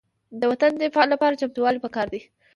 د وطن دفاع لپاره چمتووالی پکار دی.